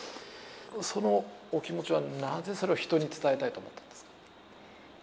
そのお気持ちはなぜそれを人に伝えたいと思ったんですか。